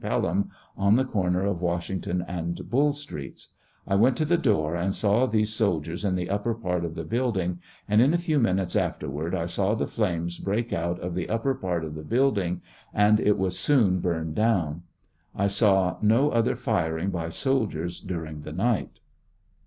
Pelham, on the corner of Washington and Bull Streets ; I went to the door and saw these soldiers in the upper part of the build ing, and in a few minutes afterward I saw the flames break out of the upper part of the building, and it was soon burned down ; I saw no other firing by soldiers during the night.